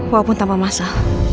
walaupun tanpa masa